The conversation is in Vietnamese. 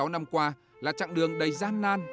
sáu mươi năm qua là chặng đường đầy gian nan